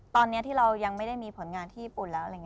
ตอนนี้ที่เรายังไม่ได้มีผลงานที่ญี่ปุ่นแล้ว